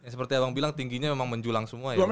seperti yang abang bilang tingginya memang menjulang semua